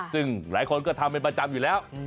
ซึ่งหลายคนก็ทำเป็นประจำอยู่แล้ว